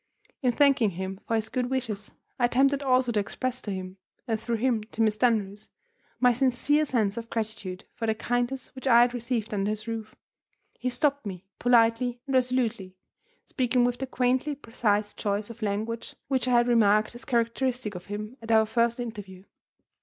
In thanking him for his good wishes, I attempted also to express to him (and through him to Miss Dunross) my sincere sense of gratitude for the kindness which I had received under his roof. He stopped me, politely and resolutely, speaking with that quaintly precise choice of language which I h ad remarked as characteristic of him at our first interview.